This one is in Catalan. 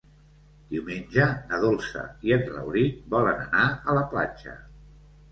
Diumenge na Dolça i en Rauric volen anar a la platja.